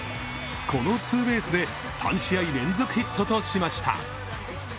このツーベースで３試合連続ヒットとしました。